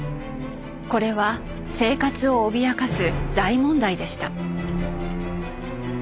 これは生活を脅かす大問題でした。